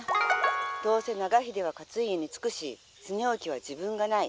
どうせ長秀は勝家につくし恒興は自分がない。